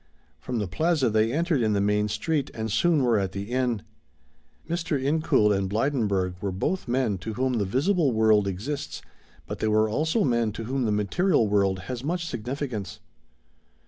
From the plaza they entered the main street and soon were at the inn. Mr. Incoul and Blydenburg were both men to whom the visible world exists, but they were also men to whom the material world has much significance.